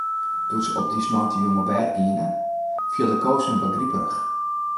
Doe't se op dy sneintejûn op bêd giene, fielde Koos him wat griperich.